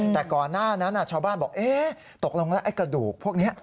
แต่ก่อนหน้านั้นชาวบ้านบอกตกลงแล้วไอ้กระดูกพวกนี้